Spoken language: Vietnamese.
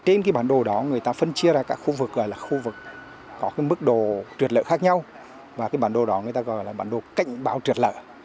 trên cái bản đồ đó người ta phân chia ra các khu vực gọi là khu vực có cái mức độ trượt lở khác nhau và cái bản đồ đó người ta gọi là bản đồ cảnh báo trượt lở